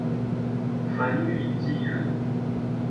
冯誉骥人。